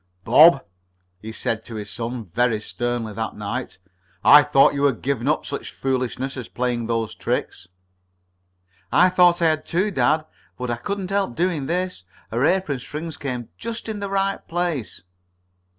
"Bob," he said to his son very sternly that night, "I thought you had given up such foolishness as playing those tricks." "I thought I had, too, dad, but I couldn't help doing this. Her apron strings came just in the right place."